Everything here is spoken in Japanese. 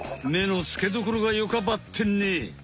めのつけどころがよかばってんね！